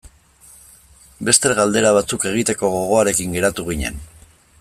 Beste galdera batzuk egiteko gogoarekin geratu ginen.